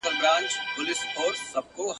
د ځالۍ له پاسه مار یې وولیدلی ..